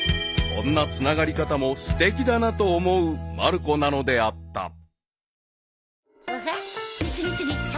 ［こんなつながり方もすてきだなと思うまる子なのであった］